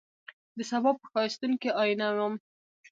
دسبا په ښایستون کي آئینه وم